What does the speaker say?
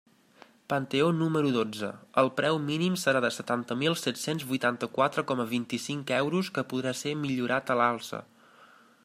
Panteó número dotze: el preu mínim serà de setanta mil set-cents vuitanta-quatre coma vint-i-cinc euros, que podrà ser millorat a l'alça.